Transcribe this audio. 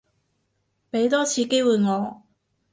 畀多次機會我